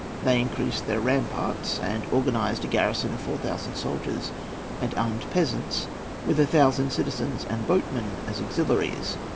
They increased their ramparts, and organised a garrison of four thousand soldiers and armed peasants, with a thousand citizens and boatmen as auxiliaries.